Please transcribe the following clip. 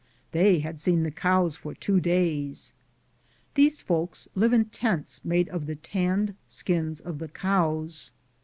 They had seen the cows for two days. These folks live in tents made of the tanned skins of the cows.